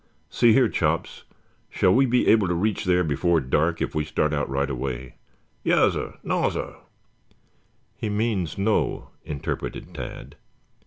See here, Chops, shall we be able to reach there before dark if we start out right away?" "Yassir, nassir." "He means no," interpreted Tad.